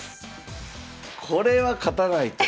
これは勝たないと。